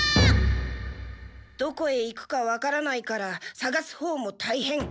どこへ行くかわからないからさがすほうもたいへん。